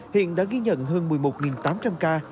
hiện đã ghi nhận hơn một mươi một tám trăm linh ca